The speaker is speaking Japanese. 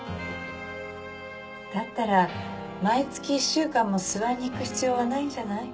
だったら毎月１週間も諏訪に行く必要はないんじゃない？